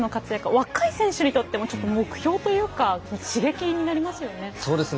若い選手にとっても目標というか刺激になりますよね。